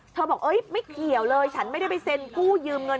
บอกไม่เกี่ยวเลยฉันไม่ได้ไปเซ็นกู้ยืมเงิน